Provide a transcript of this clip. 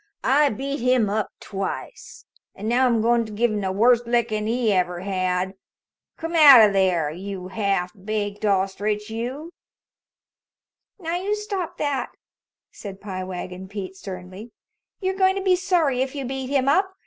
I've beat him up twice, an' now I'm goin' to give him the worst lickin' he ever had. Come out of there, you half baked ostrich, you." "Now, you stop that," said Pie Wagon Pete sternly. "You're goin' to be sorry if you beat him up.